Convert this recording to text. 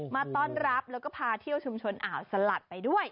มาต้อนรับแล้วก็พาเที่ยวชุมชนอ่าวสลัดไปด้วย